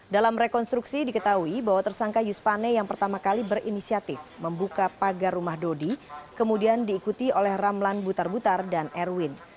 dalam rekonstruksi diketahui bahwa tersangka yus pane yang pertama kali berinisiatif membuka pagar rumah dodi kemudian diikuti oleh ramlan butar butar dan erwin